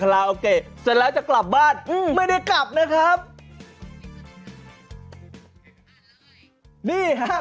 นี่เค้าไม่เคยไป